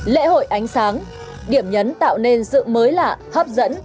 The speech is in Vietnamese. lễ hội ánh sáng điểm nhấn tạo nên sự mới lạ hấp dẫn